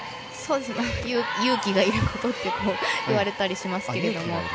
勇気がいることといわれたりしますけれども。